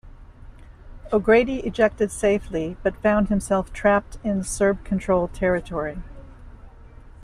O'Grady ejected safely, but found himself trapped in Serb-controlled territory.